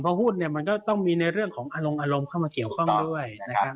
เพราะหุ้นเนี่ยมันก็ต้องมีในเรื่องของอารมณ์เข้ามาเกี่ยวข้องด้วยนะครับ